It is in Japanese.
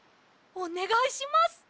おねがいします。